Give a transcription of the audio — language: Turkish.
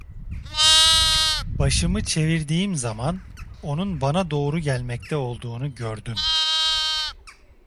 Başımı çevirdiğim zaman, onun bana doğru gelmekte olduğunu gördüm.